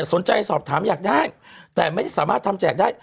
สนใจสอบถามอยากได้แต่ไม่ได้สามารถทำแจกได้